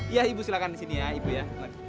iya ibu silahkan disini ya ibu ya